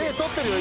今。